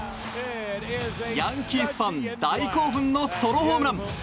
ヤンキースファン大興奮のソロホームラン。